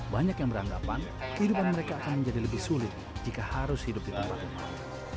banyak yang beranggapan kehidupan mereka akan menjadi lebih sulit jika harus hidup di tempat tempat